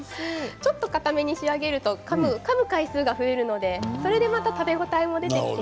ちょっとかために仕上げるとかむ回数が増えますので、それで食べ応えが増えます。